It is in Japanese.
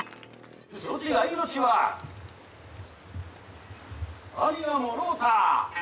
そちが命は兄がもろうた！